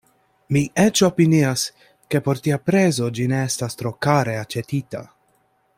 Mi eĉ opinias, ke por tia prezo ĝi ne estas tro kare aĉetita.